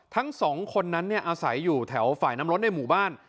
ทั้งสองคนนั้นอาศัยอยู่แถวฝ่ายน้ำล้นในหมู่บ้าน